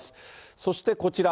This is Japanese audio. そして、こちら。